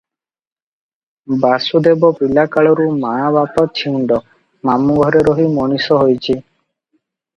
ବାସୁଦେବ ପିଲାକାଳରୁ ମା ବାପ ଛେଉଣ୍ଡ, ମାମୁ ଘରେ ରହି ମଣିଷ ହୋଇଛି ।